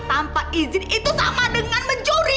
tanpa izin itu sama dengan mencuri